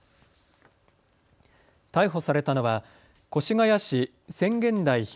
逮捕されたのは越谷市千間台東